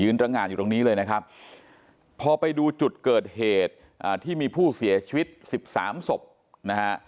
ระงานอยู่ตรงนี้เลยนะครับพอไปดูจุดเกิดเหตุที่มีผู้เสียชีวิต๑๓ศพนะฮะ